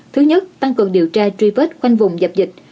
thứ nhất tăng cường điều tra truy vết khoanh vùng dập dịch